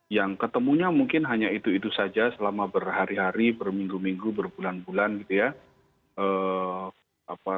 yang ketemunya mungkin hanya itu itu saja selama berhari hari berminggu minggu berbulan bulan gitu ya